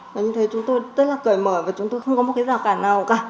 và như thế chúng tôi rất là cởi mở và chúng tôi không có một cái rào cản nào cả